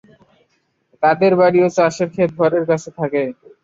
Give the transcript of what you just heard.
তাদের বাড়ি এবং চাষের খেত ঘরের কাছে থাকে।